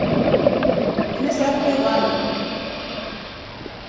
Enesakulya vana.